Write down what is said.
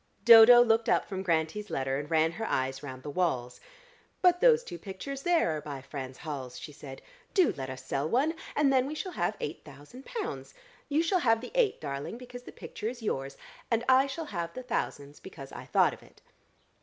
Dodo looked up from Grantie's letter, and ran her eyes round the walls. "But those two pictures there are by Franz Hals," she said. "Do let us sell one, and then we shall have eight thousand pounds. You shall have the eight, darling, because the picture is yours, and I shall have the thousands because I thought of it."